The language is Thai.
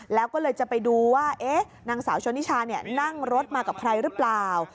แล้วก็เลยจะไปดูว่านางสาวชนนิชานั่งรถมากับใครหรือเปล่า